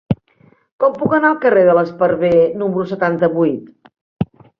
Com puc anar al carrer de l'Esparver número setanta-vuit?